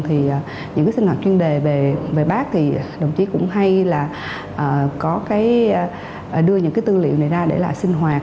thì những sinh hoạt chuyên đề về bác thì đồng chí cũng hay là đưa những tư liệu này ra để lại sinh hoạt